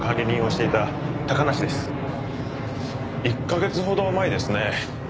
１カ月ほど前ですね